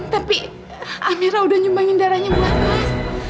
tapi amirah sudah menyumbangkan darahnya buat mas